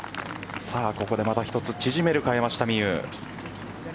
さあ、ここでまた１つ縮めるか山下美夢有。